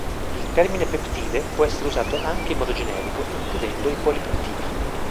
Il termine peptide può essere usato anche in modo generico, includendo i polipeptidi.